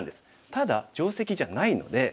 ただ定石じゃないので。